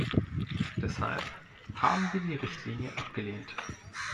Deshalb haben wir die Richtlinie abgelehnt.